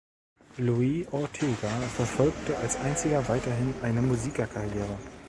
Louie Ortega verfolgte als einziger weiterhin eine Musikerkarriere.